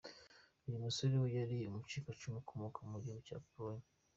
Uyu musore we yari umucikacumu ukomoka mu gihugu cya Polonye.